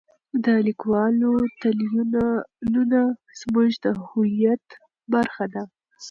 د لیکوالو تلینونه زموږ د هویت برخه ده.